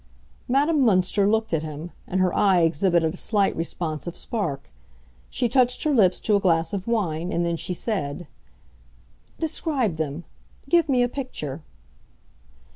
Madame Münster looked at him, and her eye exhibited a slight responsive spark. She touched her lips to a glass of wine, and then she said, "Describe them. Give me a picture."